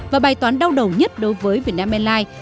và bài toán đau đầu nhất đối với việt nam airlines